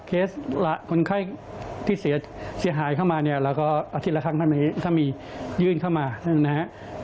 เคสคนไข้ที่เสียหายเข้ามาเนี่ยเราก็อาทิตย์ละครั้งถ้ามียื่นเข้ามานะครับ